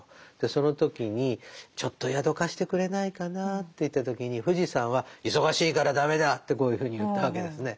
その時に「ちょっと宿を貸してくれないかな」と言った時に富士山は「忙しいから駄目だ」ってこういうふうに言ったわけですね。